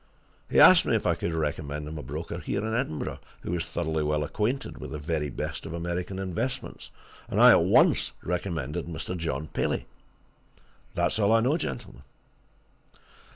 He asked me if I could recommend him a broker here in Edinburgh who was thoroughly well acquainted with the very best class of American investments, and I at once recommended Mr. John Paley. And that's all I know, gentlemen."